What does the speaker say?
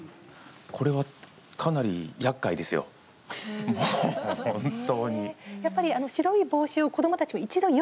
これは、かなりやっかいですよ、本当に。